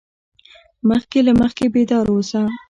مخکې له مخکې بیدار اوسه.